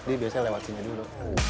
jadi biasanya lewatinnya dulu